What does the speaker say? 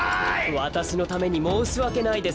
わたしのためにもうしわけないです